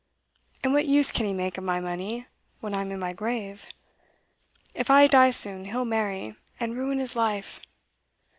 And what use can he make of my money, when I'm in my grave? If I die soon he'll marry, and ruin his life.